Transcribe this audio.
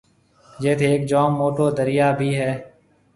جيٿ هيڪ جوم موٽو دريا ڀِي هيَ۔